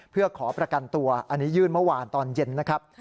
เพื่อขอประกันตัวอันนี้ยื่นเมื่อวานตอนเย็นนะครับ